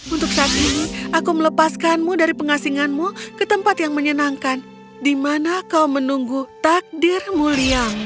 untuk saat ini aku melepaskanmu dari pengasinganmu ke tempat yang menyenangkan di mana kau menunggu takdir mulia